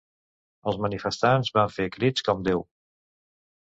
Els manifestants van fer crits com Deu!